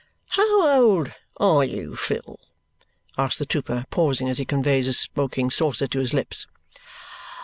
"How old ARE you, Phil?" asks the trooper, pausing as he conveys his smoking saucer to his lips.